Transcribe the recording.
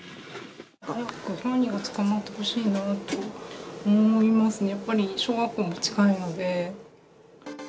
早く犯人が捕まってほしいなと思いますね、やっぱり、小学校も近いので。